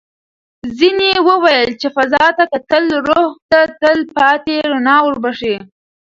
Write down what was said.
ځینې وویل چې فضا ته کتل روح ته تل پاتې رڼا وربښي.